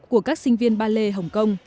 của các sinh viên ballet hồng kông